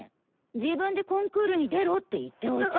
自分でコンクールに出ろって言っておいて。